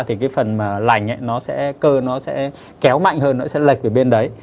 thì cái phần lành cơ nó sẽ kéo mạnh hơn nó sẽ lệch về bên đấy